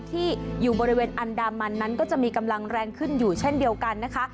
ที่อยู่บริเวณอันดามันนั้นก็จะมีกำลังแรงขึ้นอยู่เช่นเดียวกันนะคะ